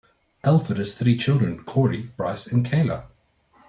Alford has three children, Kory, Bryce and Kayla.